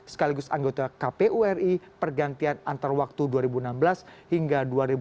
sekaligus anggota kpu ri pergantian antar waktu dua ribu enam belas hingga dua ribu dua puluh